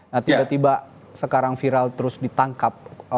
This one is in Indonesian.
nah tiba tiba sekarang viral terus ditangkap